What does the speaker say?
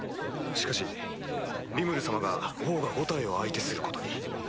しかしリムル様がオーガ５体を相手することに。